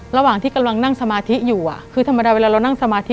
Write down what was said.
ระหว่างที่กำลังนั่งสมาธิอยู่คือธรรมดาเวลาเรานั่งสมาธิ